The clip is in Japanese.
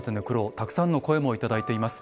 たくさんの声も頂いています。